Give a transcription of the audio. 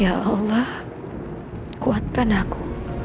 ya allah kuatkan aku